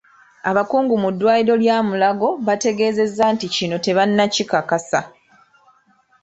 Abakungu mu ddwaliro lya Mulago bategeezezza nti kino tebannakikakasa.